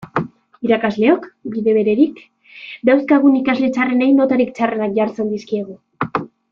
Irakasleok, bide beretik, dauzkagun ikasle txarrenei notarik txarrenak jartzen dizkiegu.